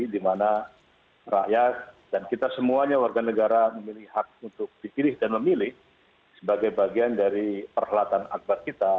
dimana rakyat dan kita semuanya warga negara memilih hak untuk dipilih dan memilih sebagai bagian dari perhelatan akbar kita